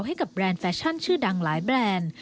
แบรนด์แฟชั่นชื่อดังหลายแบรนด์